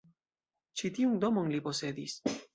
Ĉi tiun domon li posedis.